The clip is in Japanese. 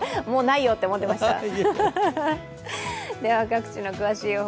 もうないよって思っていました？